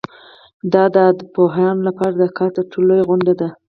دا د ادبپوهانو لپاره د کال تر ټولو لویه غونډه ده.